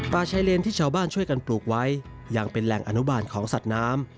ชายเลนที่ชาวบ้านช่วยกันปลูกไว้ยังเป็นแหล่งอนุบาลของสัตว์น้ำ